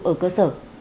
ở cơ sở